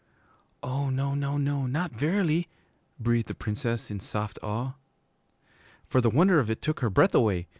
'Oh, no, no, no, not verily!' breathed the Princess, in soft awe. For the wonder of it took her breath away.